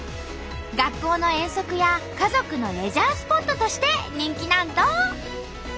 学校の遠足や家族のレジャースポットとして人気なんと！